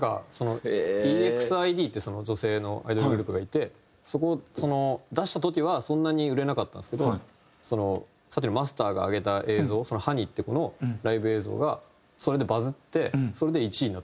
ＥＸＩＤっていう女性のアイドルグループがいてその出した時はそんなに売れなかったんですけどさっきのマスターが上げた映像ハニっていう子のライブ映像がそれでバズってそれで１位になったんですよ。